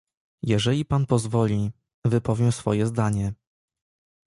"Jeżeli pan pozwoli, wypowiem swoje zdanie."